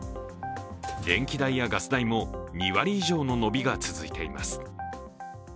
電気代やガス代も２割以上の伸びが続いています。